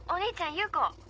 優子。